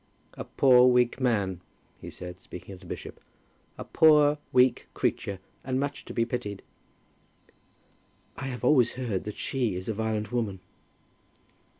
"A poor weak man," he said, speaking of the bishop. "A poor weak creature, and much to be pitied." "I have always heard that she is a violent woman."